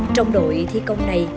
trong đội thi công này